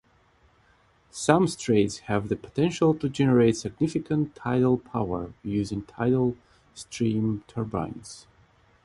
Some straits have the potential to generate significant tidal power using tidal stream turbines.